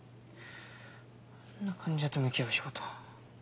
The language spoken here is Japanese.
あんな患者と向き合う仕事